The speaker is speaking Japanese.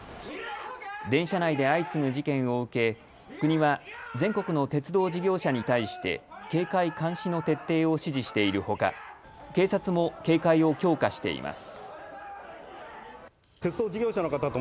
電車内で相次ぐ事件を受け国は全国の鉄道事業者に対して警戒監視の徹底を指示しているほか警察も警戒を強化しています。